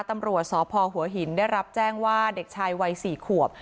ตำรวจสพหัวหินได้รับแจ้งว่าเด็กชายวัย๔ขวบ